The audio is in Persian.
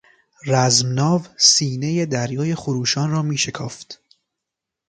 رزمناو سینهی دریای خروشان را میشکافت.